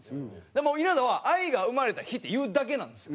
もう稲田は『愛が生まれた日』って言うだけなんですよ。